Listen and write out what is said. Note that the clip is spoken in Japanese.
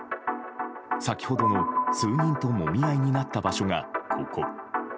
先ほどの、数人ともみ合いになった場所がここ。